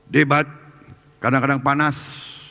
debat kadang kadang panas